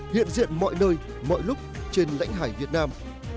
hiện diện mọi nơi mọi lúc trên lãnh hải việt nam